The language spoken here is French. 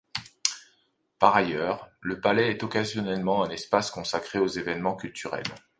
Par ailleurs, le palais est occasionnellement un espace consacré aux événements culturels.